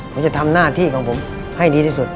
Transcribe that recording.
ผมจะทำหน้าที่ของผมให้ดีที่สุด